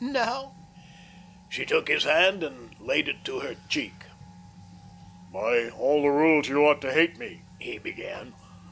Now?" She took his hand and laid it to her cheek. "By all the rules you ought to hate me," he began.